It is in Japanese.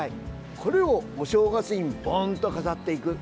これをお正月にボンと飾っていく。